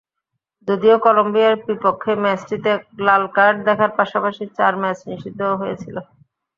যদিও কলম্বিয়ার বিপক্ষে ম্যাচটিতে লাল কার্ড দেখার পাশাপাশি চার ম্যাচ নিষিদ্ধও হয়েছিলেন।